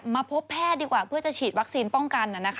พบแพทย์ดีกว่าเพื่อจะฉีดวัคซีนป้องกัน